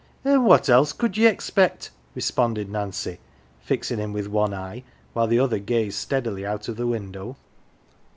" An' what else could ye expect ?" responded Nancy, fixing him with one eye, while the other gazed steadily out of the window.